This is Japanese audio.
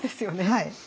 はい。